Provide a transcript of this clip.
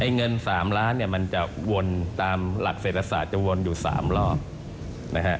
เงิน๓ล้านเนี่ยมันจะวนตามหลักเศรษฐศาสตร์จะวนอยู่๓รอบนะฮะ